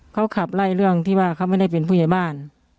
เขาขับไล่เรื่องที่ว่าเขาไม่ได้เป็นผู้ใหญ่บ้าน